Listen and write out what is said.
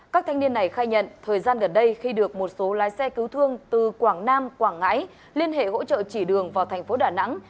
các thanh niên này khai nhận thời gian gần đây khi được một số lái xe cứu thương từ quảng nam quảng ngãi liên hệ hỗ trợ chỉ đường vào thành phố đà nẵng